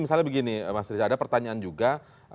misalnya begini mas riza ada pertanyaan juga